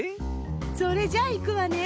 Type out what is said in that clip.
それじゃいくわね。